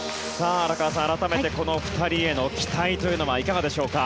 荒川さん、改めてこの２人への期待はいかがですか？